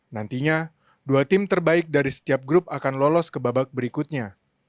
nantinya dua tim terbaik dari setiap grup akan lolos ke babak berikutnya